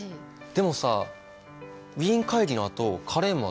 でもさウィーン会議のあとカレームはどうなったの？